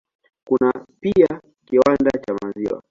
Kuna pia kiwanda cha maziwa.